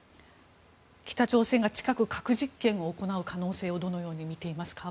北朝鮮が近く、核実験を行う可能性をどのように見ていますか？